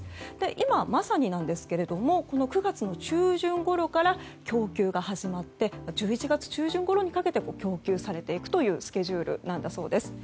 今まさになんですがこの９月の中旬ごろから供給が始まって１１月中旬ごろにかけて供給されていくスケジュールなんだそうです。